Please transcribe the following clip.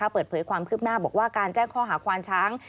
เปิดเผยความคืบหน้าบอกว่าการแจ้งข้อหาควานช้าง